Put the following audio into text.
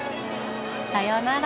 さようなら。